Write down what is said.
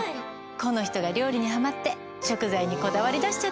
この人が料理にハマって食材にこだわり出しちゃって。